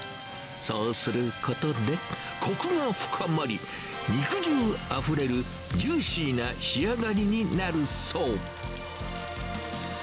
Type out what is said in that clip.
そうすることで、こくが深まり、肉汁あふれるジューシーな仕上がりになるそう。